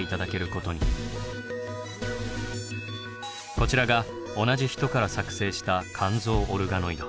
こちらが同じ人から作製した肝臓オルガノイド。